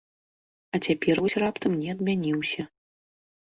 А цяпер вось раптам не адмяніўся.